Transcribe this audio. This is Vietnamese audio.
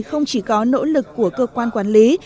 không chỉ có nỗ lực của cơ quan quản lý